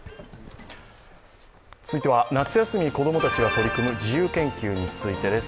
続いては夏休みに子供たちが取り組む自由研究についてです。